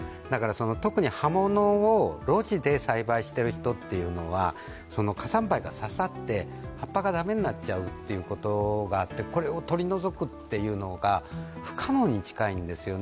特に葉物を路地で栽培している人は火山灰が刺さって、葉っぱが駄目になっちゃうということがあってこれを取り除くのが不可能に近いんですよね。